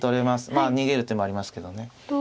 まあ逃げる手もありますけどね。